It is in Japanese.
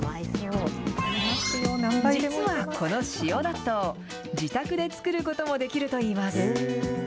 実はこの塩納豆、自宅で作ることもできるといいます。